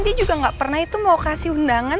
dia juga nggak pernah itu mau kasih undangan